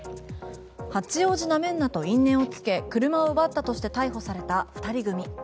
八王子なめんなと因縁をつけ車を奪ったとして逮捕された２人。